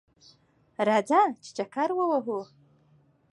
راځه ! چې چکر ووهو